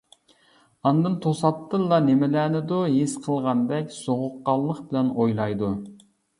ئاندىن، توساتتىنلا نېمىلەرنىدۇر ھېس قىلغاندەك سوغۇققانلىق بىلەن ئويلايدۇ.